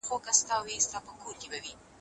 موږ بیا ټولګي ته ځو.